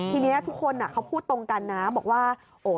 ทีนี้ทุกคนเขาพูดตรงกันนะบอกว่า